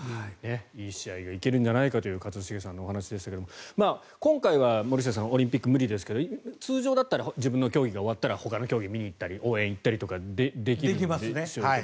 いい試合が行けるんじゃないかという一茂さんのお話でしたが今回は森末さんオリンピックは無理ですけど通常だったら自分の競技が終わったらほかの競技を見に行ったり応援に行ったりとかできるんでしょうけど